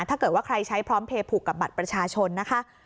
ถ้าเกิดว่าใครใช้พร้อมเพลย์ผูกกับบัตรประชาชนนะคะ